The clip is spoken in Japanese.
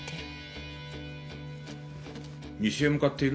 西へ向かっている？